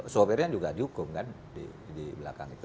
sopirnya juga dihukum kan di belakang itu